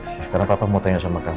sekarang bapak mau tanya sama kamu